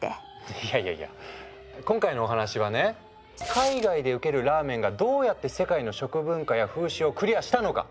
いやいやいや今回のお話はね海外でウケるラーメンがどうやって世界の食文化や風習をクリアしたのか。